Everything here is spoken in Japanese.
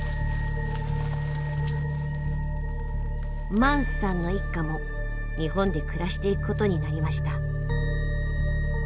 マンスさんの一家も日本で暮らしていくことになりました。